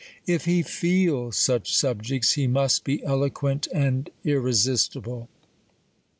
l( he feel such subjects, he must be elo quent and irresistible.